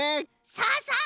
さあさあ